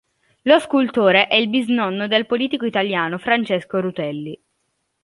Lo scultore è il bisnonno del politico italiano Francesco Rutelli.